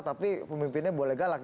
tapi pemimpinnya boleh galak